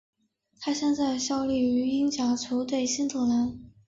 他现在效力于英甲球队新特兰。